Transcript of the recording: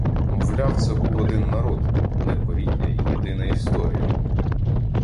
Мовляв, це був один народ, одне коріння і єдина історія